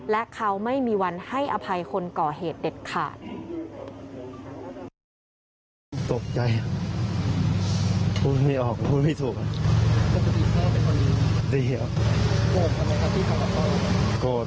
และเขาไม่มีวันให้อภัยคนก่อเหตุเด็ดขาด